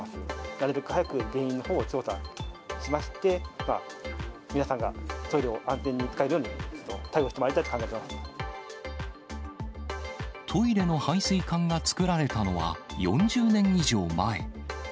なるべく早く原因のほうを調査しまして、皆さんがトイレを安全に使えるように対応してまいりたいと考えてトイレの排水管が作られたのは４０年以上前。